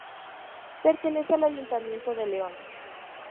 Pertenece al Ayuntamiento de León.